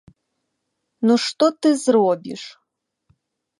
Ну што ты зробіш?